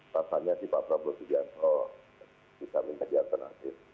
rasanya sih pak prabowo subianto bisa menjadi alternatif